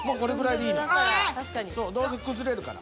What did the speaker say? そうどうせ崩れるから。